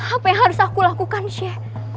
apa yang harus aku lakukan shane